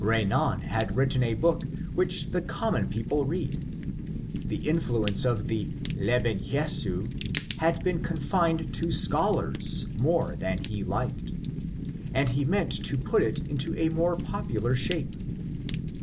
Renan had written a book which the common peo ple read ; the influence of the ^^ Leben Jesu " had been con fined to scholars more than he liked, and he meant to put it into a more popular shape.